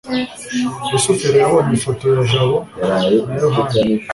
rusufero yabonye ifoto ya jabo na yohana